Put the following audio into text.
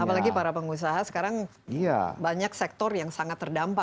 apalagi para pengusaha sekarang banyak sektor yang sangat terdampak